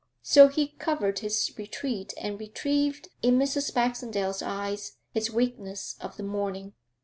So he covered his retreat and retrieved in Mrs. Baxendale's eyes his weakness of the morning.